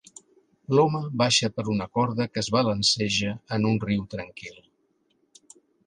L'home baixa per una corda que es balanceja en un riu tranquil.